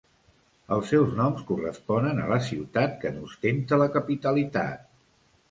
Els seus noms corresponen a la ciutat que n'ostenta la capitalitat.